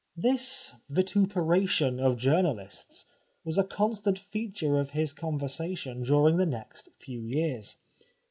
This vituperation of journalists was a constant feature of his conversation during the next few years.